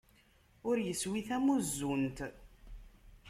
Ur iswi tamuzzunt!